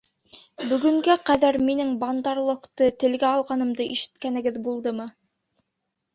Бөгөнгә ҡәҙәр минең Бандар-логты телгә алғанымды ишеткәнегеҙ булдымы?